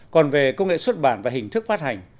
còn về công nghệ xuất bản và hình thức phát hành